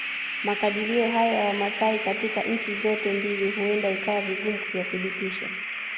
Makadirio hayo ya Wamasai katika nchi zote mbili huenda ikawa vigumu kuyathibitisha